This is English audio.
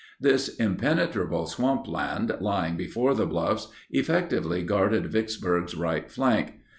This impenetrable swampland, lying before the bluffs, effectively guarded Vicksburg's right flank.